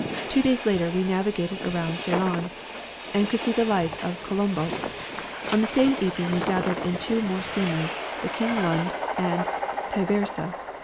Two days later we navigated around Ceylon, and could see the lights of Colombo. On the same evening we gathered in two more steamers, the King Lund, and Tywerse.